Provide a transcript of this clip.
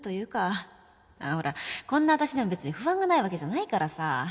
ほらこんな私でも別に不安がないわけじゃないからさ。